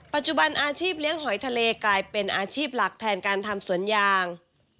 ปัจจุบันอาชีพเลี้ยงหอยทะเลกลายเป็นอาชีพหลักแทนการทำสวนยาง